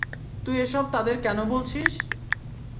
তুই এসব তাদের কেন বলছিস?